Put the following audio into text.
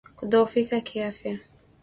Kudhoofika kiafya